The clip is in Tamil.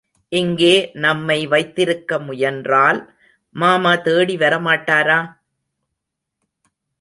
இங்கே நம்மை வைத்திருக்க முயன்றால் மாமா தேடி வர மாட்டாரா?